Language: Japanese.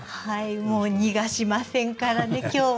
もう逃がしませんからね今日は。